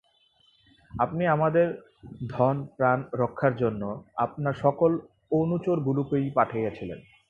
আপনি আমাদের ধন প্রাণ রক্ষার জন্য আপনার সকল অনুচরগুলিকেই পাঠাইলেন।